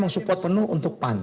support penuh untuk pan